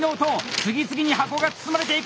次々に箱が包まれていく！